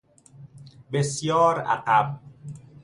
بسیار عقب